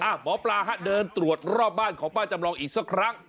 หมอปลาฮะเดินตรวจรอบบ้านของป้าจำลองอีกสักครั้ง